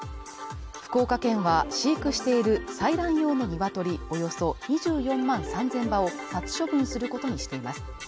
福岡県は、飼育している採卵用のニワトリおよそ２４万３０００羽を殺処分することにしています。